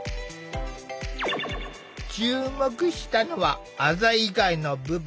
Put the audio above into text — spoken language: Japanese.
注目したのはあざ以外の部分。